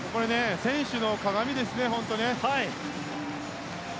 選手の鏡ですね。